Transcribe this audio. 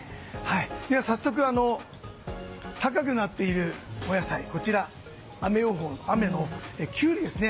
では早速高くなっているお野菜はこちら雨予報、キュウリですね。